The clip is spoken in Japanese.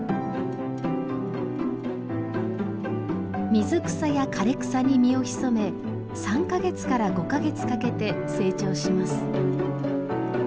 水草や枯れ草に身を潜め３か月から５か月かけて成長します。